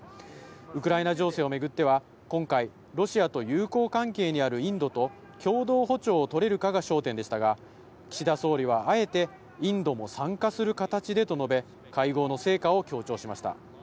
ウクライナ情勢を巡っては、今回、ロシアと友好関係にあるインドと共同歩調を取れるかが焦点でしたが、岸田総理はあえて、インドも参加する形でと述べ、会合の成果を強調しました。